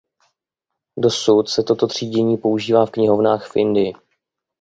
Dosud se toto třídění používá v knihovnách v Indii.